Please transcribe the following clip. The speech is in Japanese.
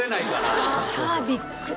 シャービック。